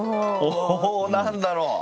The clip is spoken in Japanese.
お何だろう？